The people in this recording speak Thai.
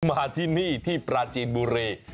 มาที่นี่ที่ปราจีนบุรี